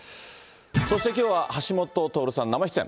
そしてきょうは、橋下徹さん生出演。